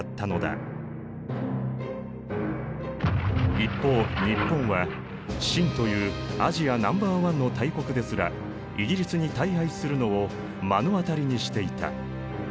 一方日本は清というアジアナンバーワンの大国ですらイギリスに大敗するのを目の当たりにしていた。